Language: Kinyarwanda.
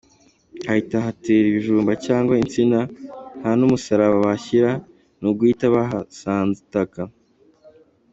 Ahita ahatera ibijumba cyangwa insina, nta n’umusaraba bahashyira, ni uguhita bahasanza itaka.